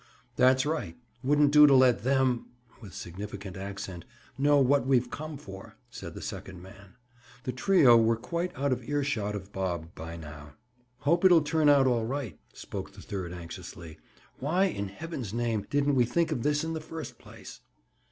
"That's right. Wouldn't do to let them"—with significant accent—"know what we've come for," said the second man. The trio were quite out of ear shot of Bob, by now. "Hope it'll turn out all right," spoke the third anxiously. "Why, in heaven's name, didn't we think of this in the first place?"